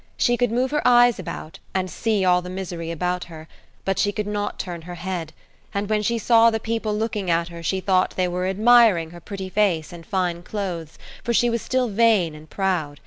She could move her eyes about, and see all the misery around her, but she could not turn her head; and when she saw the people looking at her she thought they were admiring her pretty face and fine clothes, for she was still vain and proud.